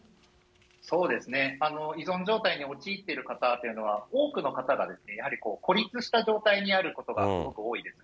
そうですね、依存状態に陥っている方というのは、多くの方がやはり孤立した状態にあることがすごく多いです。